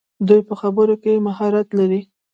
دوی په خبرو کې مهارت لري.